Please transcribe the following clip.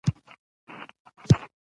که خلک یو بل واوري، نو پوهه به زیاته شي.